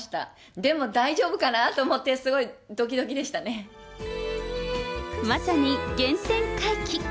でも大丈夫かなと思って、まさに原点回帰。